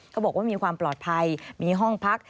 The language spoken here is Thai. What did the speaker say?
เขาบอกว่ามีความปลอดภัยมีห้องพัก